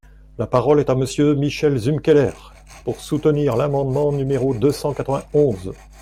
La parole est à Monsieur Michel Zumkeller, pour soutenir l’amendement numéro deux cent quatre-vingt-onze.